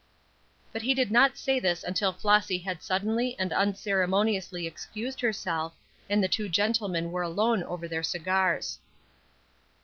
But he did not say this until Flossy had suddenly and unceremoniously excused herself, and the two gentlemen were alone over their cigars.